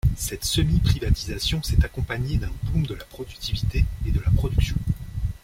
Cette semi-privatisation s'est accompagnée d'un boom de la productivité et de la production.